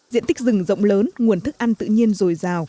diện tích rừng rộng lớn nguồn thức ăn tự nhiên rồi rào